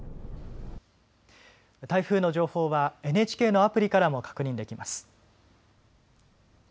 台風の情報はＮＨＫのアプリからも確認できます。